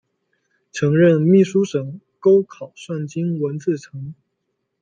曾任秘书省钩考算经文字臣。